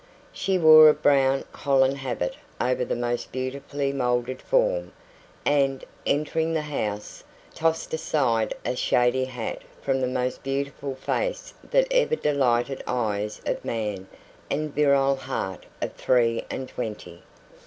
She wore a brown holland habit over the most beautifully moulded form, and, entering the house, tossed aside a shady hat from the most beautiful face that ever delighted eyes of man and virile heart of three and twenty.